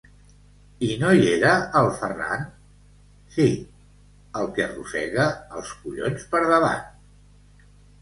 —I no hi era el Ferran? —Sí, el que arrossega els collons per davant!